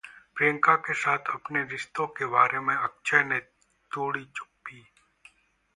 प्रियंका के साथ अपने रिश्तों के बारे में अक्षय ने तोड़ी चुप्पी